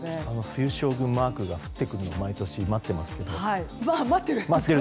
冬将軍マークが降ってくるのを毎年待っているんですが。